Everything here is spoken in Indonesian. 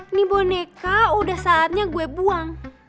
ini boneka udah saatnya gue buang